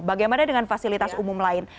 bagaimana dengan fasilitas umum lain